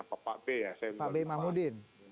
pak ben mamudin